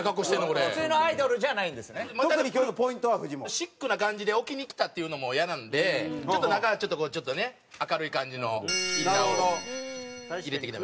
シックな感じで置きにきたっていうのもイヤなんでちょっと中はちょっとね明るい感じのインナーを入れてきたの。